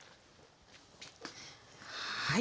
はい。